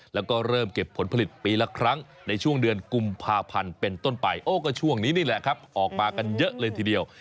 แล้วก็เริ่มเก็บผลผลิตปีละครั้งในช่วงเดือนกุมภาพันธ์เป็นต้นไปโอ้ก็ช่วงนี้นี่แหละครับออกมากันเยอะเลยทีเดียว